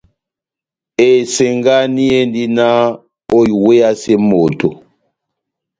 Esengani endi náh oiweyase moto.